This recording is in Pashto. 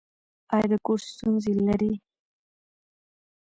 ایا د کور ستونزې لرئ؟